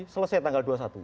selesai tanggal dua puluh satu